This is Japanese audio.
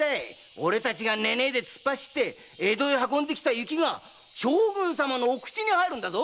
俺たちが寝ねえで突っ走って江戸へ運んできた雪が将軍様のお口に入るんだぞ！